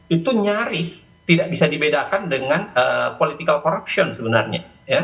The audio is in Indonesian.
itu nyaris tidak bisa dibedakan dengan political corruption sebenarnya